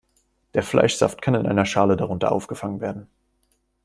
Der Fleischsaft kann in einer Schale darunter aufgefangen werden.